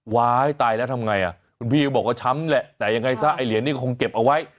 ว้ายตายแล้วทำไงอ่ะคุณพี่ก็บอกว่าช้ำแหละแต่ยังไงซะไอ้เหรียญนี้คงเก็บเอาไว้